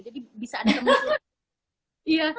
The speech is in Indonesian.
jadi bisa ada teman teman iya